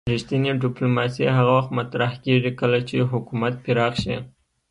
رښتینې ډیپلوماسي هغه وخت مطرح کیږي کله چې حکومت پراخ شي